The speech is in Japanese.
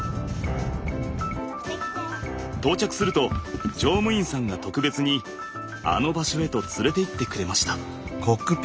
到着すると乗務員さんが特別に「あの場所」へと連れて行ってくれました。